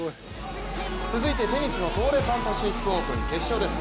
続いてテニスの東レパンパシフィックオープン決勝です。